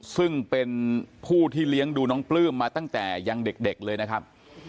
ซึ่งเป็นผู้ที่เลี้ยงดูน้องปลื้มมาตั้งแต่ยังเด็กเลยนะครับ